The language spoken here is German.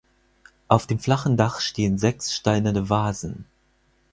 Auf dem flachen Dach stehen sechs steinerne Vasen.